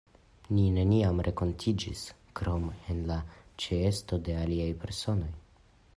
Ni neniam renkontiĝis, krom en la ĉeesto de aliaj personoj.